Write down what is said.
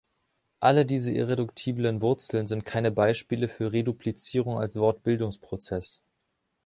Alle diese irreduktiblen Wurzeln sind keine Beispiele für Reduplizierung als Wordbildungsprozess.